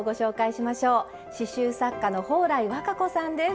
刺しゅう作家の和歌子さんです。